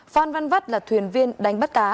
phan văn vắt là thuyền viên đánh bắt tá